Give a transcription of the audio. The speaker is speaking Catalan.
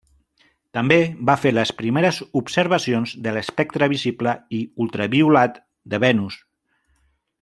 També va fer les primeres observacions de l'espectre visible i ultraviolat de Venus.